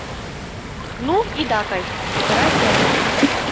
Ну, ида кай! — кутыра семынже.